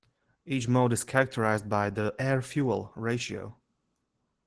Each mode is characterized by the air-fuel ratio.